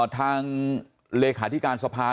ทางเลขาธิการสภา